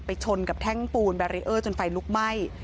ชนกับแท่งปูนแบรีเออร์จนไฟลุกไหม้